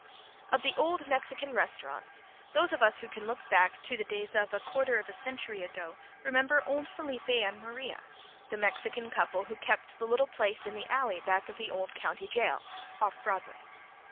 Of the old Mexican restaurants, those of us who can look back to the days of a quarter of a century ago remember old Felipe and Maria, the Mexican couple who kept the little place in the alley back of the old county jail, off Broadway.